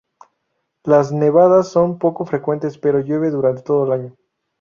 Las nevadas son poco frecuentes, pero llueve durante todo el año.